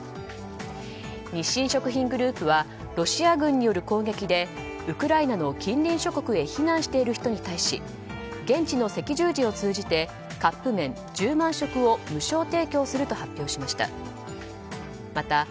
日清食品グループはロシア軍による攻撃でウクライナの近隣諸国へ避難している人に対し現地の赤十字を通じてカップ麺１０万食を無償提供すると発表しました。